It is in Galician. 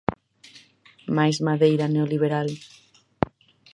Máis madeira neoliberal.